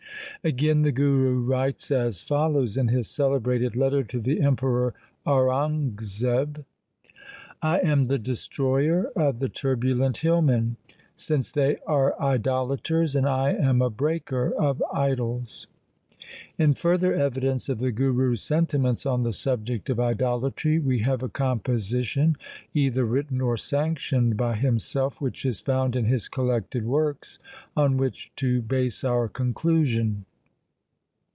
Again the Guru writes as follows in his celebrated letter to the Emperor Aurangzeb :— I am the destroyer of the turbulent hillmen, Since they are idolaters and I am a breaker of idols. In further evidence of the Guru's sentiments on the subject of idolatry, we have a composition, either written or sanctioned by himself, which is found in his collected works, on which to base our conclusion.